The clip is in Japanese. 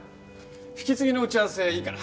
引き継ぎの打ち合わせいいかな？